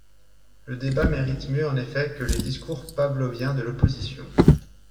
Le débat mérite mieux en effet que les discours pavloviens de l’opposition.